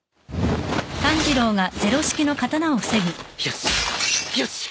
よし！よし！